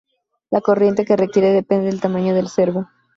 La corriente que requiere depende del tamaño del servo.